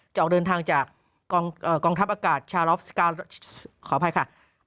ออกเดินทางจากกองทัพอากาศชาลอฟขออภัยค่ะ